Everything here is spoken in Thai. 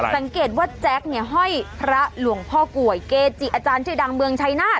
สังเกตว่าแจ๊คเนี่ยห้อยพระหลวงพ่อกลวยเกจิอาจารย์ชื่อดังเมืองชัยนาธิ